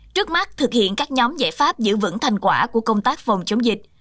trước mắt thực hiện các nhóm giải pháp giữ vững thành quả của công tác phòng chống dịch